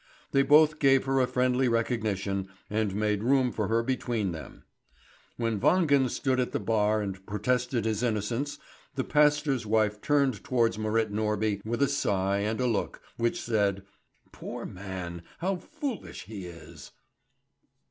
They both gave her a friendly recognition, and made room for her between them. When Wangen stood at the bar and protested his innocence, the pastor's wife turned towards Marit Norby with a sigh and a look, which said: "Poor man, how foolish he is!"